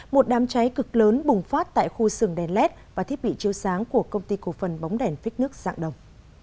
một đám cháy cực lớn bùng phát tại khu sừng đèn led và thiết bị chiếu sáng của công ty cổ phần bóng đèn phích nước dạng đồng